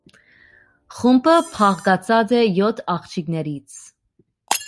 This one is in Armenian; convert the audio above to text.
Խումբը բաղկացած է յոթ աղջիկներից։